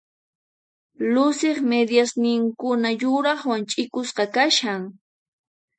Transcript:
Luciq midiasninkuna yuraqwan ch'ikusqa kashan.